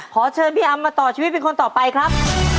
ขอเชิญพี่อำมาต่อชีวิตเป็นคนต่อไปครับ